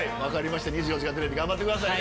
『２４時間テレビ』頑張ってくださいね。